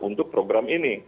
untuk program ini